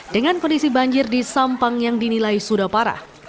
dengan kondisi banjir di sampang yang dinilai sudah parah